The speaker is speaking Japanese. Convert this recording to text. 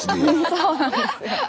そうなんですよ。